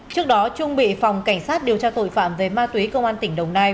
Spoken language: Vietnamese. trước đó trung bị phòng cảnh sát điều tra tội phạm về ma túy công an tỉnh đồng nai